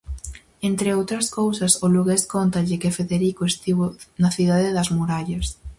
Entre outras cousas, o lugués cóntalle que Federico estivo na cidade das murallas: